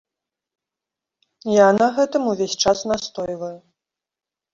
Я на гэтым увесь час настойваю.